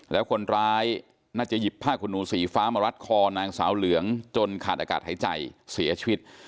แล้วคนร้ายน่าจะหยิบผ้าขนหนูสีฟ้ามารัดคอนางสาวเหลืองจนขาดอากาศหายใจเสียชีวิต